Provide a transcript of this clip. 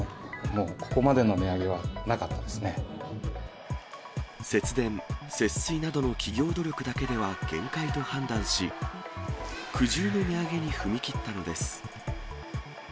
もうここまでの値上げはなかった節電、節水などの企業努力だけでは限界と判断し、苦渋の値上げに踏み切ったのです。